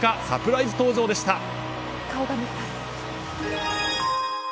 サプライズ登場でした。